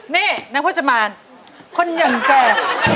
นี่นางพจมานคนยังแก่